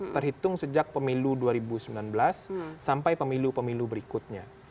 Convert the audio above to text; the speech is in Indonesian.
terhitung sejak pemilu dua ribu sembilan belas sampai pemilu pemilu berikutnya